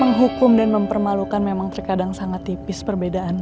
menghukum dan mempermalukan memang terkadang sangat tipis perbedaan